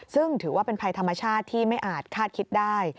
ซึ่งถือว่าเป็นภัยธรรมชาติที่ไม่อาจคาดคิดได้